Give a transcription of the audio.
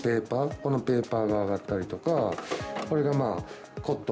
このペーパーが上がったりとかこれがコットン。